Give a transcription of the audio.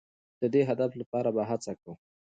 د دې هدف لپاره به هڅه کوو.